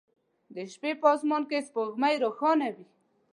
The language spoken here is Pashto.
د شپې په اسمان کې سپوږمۍ روښانه وي